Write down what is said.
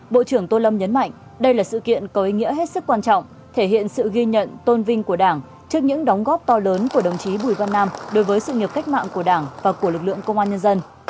bộ trưởng tô lâm nhấn mạnh đây là sự kiện có ý nghĩa hết sức quan trọng thể hiện sự ghi nhận tôn vinh của đảng trước những đóng góp to lớn của đồng chí bùi văn nam đối với sự nghiệp cách mạng của đảng và của lực lượng công an nhân dân